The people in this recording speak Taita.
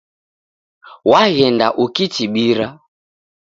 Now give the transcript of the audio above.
Waghenda ukichibira.